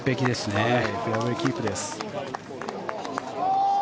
フェアウェーキープです。